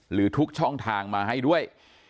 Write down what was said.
หรือทุกช่องทางมาให้ด้วย